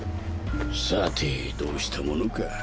さてどうしたものか。